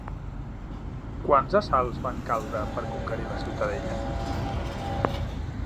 Quants assalts van caldre per conquerir la ciutadella?